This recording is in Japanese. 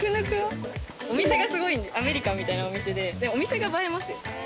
お店がすごいアメリカンみたいなお店でお店が映えますよ。